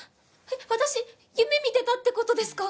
私夢見てたって事ですか？